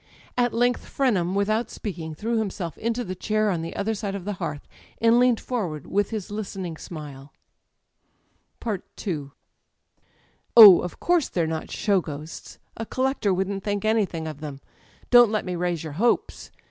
At length Frenham, with out speaking, threw himself into the chair on the other side of the hearth, and leaned forward with his listening smile ...[ 248 ] Digitized by LjOOQ IC THE EYES n Oh, of course they're not show ghosts â€" a collector wouldn't think anything of them ... Don't let nJe raise your hopes